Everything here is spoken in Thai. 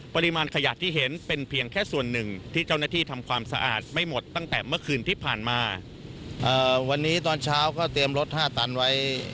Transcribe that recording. ปริมาณขยะที่เห็นเป็นเพียงแค่ส่วนหนึ่งที่เจ้าหน้าที่ทำความสะอาดไม่หมดตั้งแต่เมื่อคืนที่ผ่านมา